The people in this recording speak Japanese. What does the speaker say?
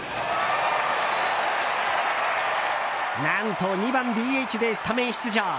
何と２番ＤＨでスタメン出場。